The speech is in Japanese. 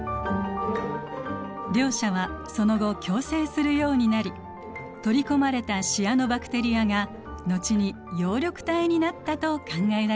両者はその後共生するようになり取り込まれたシアノバクテリアが後に葉緑体になったと考えられています。